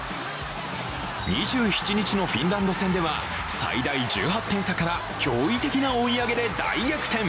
２７日のフィンランド戦では最大１８点差から驚異的な追い上げで大逆転。